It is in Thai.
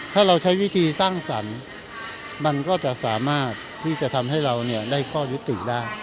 ถ้าเราใช้วิธีสร้างสรรค์มันก็จะสามารถที่จะทำให้เราได้ข้อยุติได้